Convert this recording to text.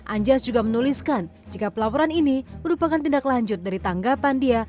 anjas juga menuliskan jika pelaporan ini merupakan tindak lanjut dari tanggapan dia